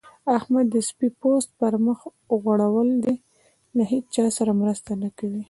احمد د سپي پوست پر مخ غوړول دی؛ له هيچا سره مرسته نه کوي.